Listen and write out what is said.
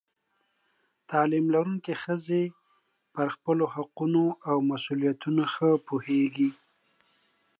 تعلیم لرونکې ښځې پر خپلو حقونو او مسؤلیتونو ښه پوهېږي.